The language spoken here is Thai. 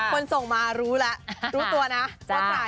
คนส่งมารู้ละ